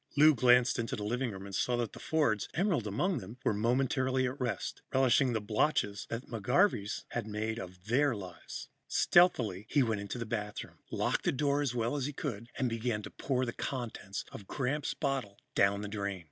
Lou glanced into the living room and saw that the Fords, Emerald among them, were momentarily at rest, relishing the botches that the McGarveys had made of their lives. Stealthily, he went into the bathroom, locked the door as well as he could and began to pour the contents of Gramps' bottle down the drain.